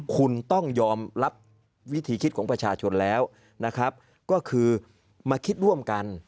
คุณต้องยอมรับวิธีคิดของประชาชนแล้วนะครับก็คือมาคิดร่วมกัน